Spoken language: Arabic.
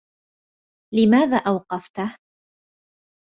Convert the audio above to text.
لماذا أوقفته؟